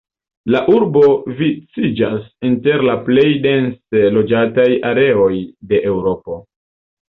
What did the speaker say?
La urbo viciĝas inter la plej dense loĝataj areoj de Eŭropo.